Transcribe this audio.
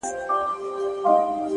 دده مخ د نمکينو اوبو ډنډ سي؛